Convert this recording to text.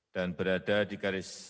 dan berada di garis